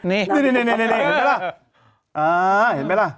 นี่นี่เห็นไหมล่ะ